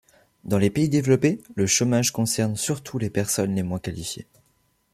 Dans les pays développés, le chômage concerne surtout les personnes les moins qualifiées.